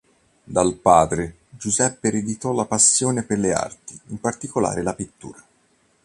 Dal padre, Giuseppe ereditò la passione per le arti, in particolare la pittura.